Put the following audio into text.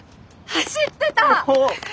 走ってた！